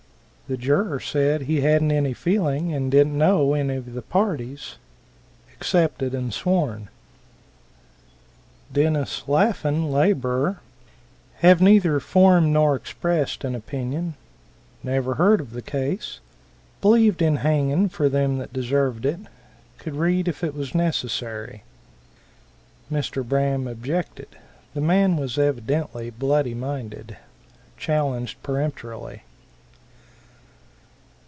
The juror said he hadn't any feeling, and didn't know any of the parties. Accepted and sworn. Dennis Lafin, laborer. Have neither formed nor expressed an opinion. Never had heard of the case. Believed in hangin' for them that deserved it. Could read if it was necessary. Mr. Braham objected. The man was evidently bloody minded. Challenged peremptorily.